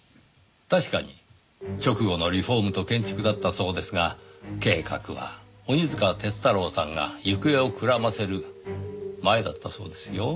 確かに直後のリフォームと建築だったそうですが計画は鬼束鐵太郎さんが行方をくらませる前だったそうですよ。